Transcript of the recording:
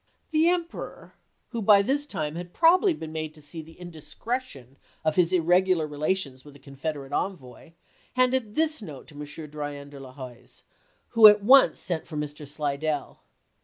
The Emperor, who by this time had probably been made to see the indiscretion of his irregular relations with the Confederate envoy, handed this note to M. Drouyn de I'Huys, who at once sent for Mr. Shdell.